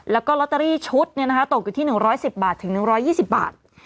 แล้วก็ลอตเตอรี่ชุดตกอยู่ที่๑๑๐บาทถึง๑๒๐บาท